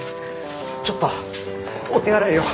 ちょっとお手洗いを。